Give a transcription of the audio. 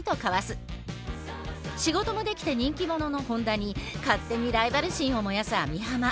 仕事もできて人気者の本田に勝手にライバル心を燃やす網浜。